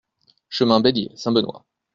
Chemin Bellier, Saint-Benoît